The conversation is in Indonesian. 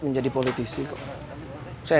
menjadi politisi saya